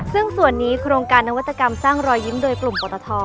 ซึ่งส่วนนี้โครงการนวัตกรรมสร้างรอยยิ้มโดยกลุ่มปรตท